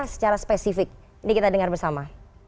secara spesifik ini kita dengar bersama